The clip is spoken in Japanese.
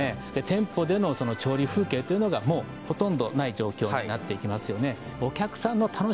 店舗での調理風景っていうのがもうほとんどない状況になっていきますよね